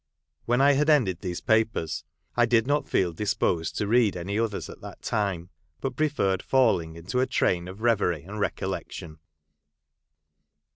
When I had ended these papers, I did not feel dis posed to read any others at that time, but preferred falling into a train of reverie and recollection.